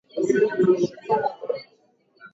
Maisha binafsi ya Jackson yamezua utata kwa miaka kadhaa